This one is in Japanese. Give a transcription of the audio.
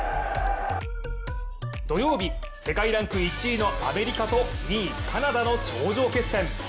土曜日世界ランク１位のアメリカと２位・カナダの頂上決戦。